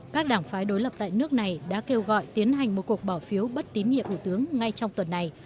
các đảng phái đối lập tại nước này đã kêu gọi tiến hành một cuộc bỏ phiếu bất tín nhiệm thủ tướng ngay trong tuần này